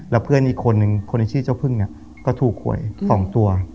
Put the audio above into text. แล้วเพื่อนอีกคนนึงคนที่ชื่อเจ้าพึ่งก็ถูกหวย๒ตัว